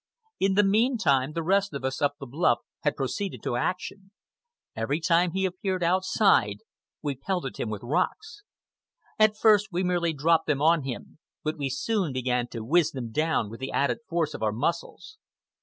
In the meantime the rest of us up the bluff had proceeded to action. Every time he appeared outside we pelted him with rocks. At first we merely dropped them on him, but we soon began to whiz them down with the added force of our muscles.